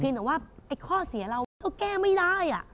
เพียงแต่ว่าไอ้ข้อเสียเราก็แก้ไม่ได้อ่ะ